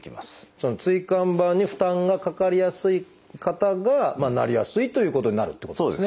その椎間板に負担がかかりやすい方がなりやすいということになるってことですね。